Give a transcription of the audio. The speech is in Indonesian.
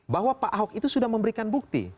bahwa pak ahok itu sudah memberikan bukti